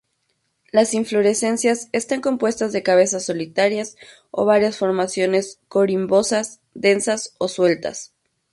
Las inflorescencias están compuestas de cabezas solitarias o varias formaciones corimbosas densas o sueltas.